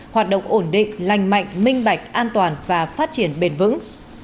hoạt động ổn định lành mạnh minh bạch an toàn và phát triển bền vững